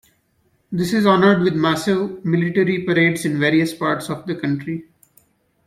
This is honored with massive military parades in various parts of the country.